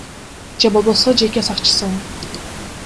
Же болбосо жеке сакчысын.